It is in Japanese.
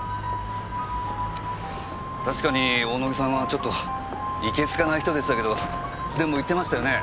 確かに大野木さんはちょっといけすかない人でしたけどでも言ってましたよね